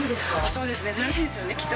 そうですね、珍しいですよね、きっと。